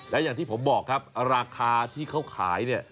และอย่างที่ผมบอกครับราคาที่เขาขายเนี่ย